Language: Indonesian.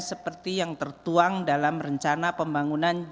seperti yang tertuang dalam rencana pembangunan jalan